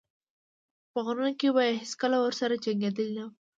خو په غرونو کې به یې هېڅکله ورسره جنګېدلی نه وای.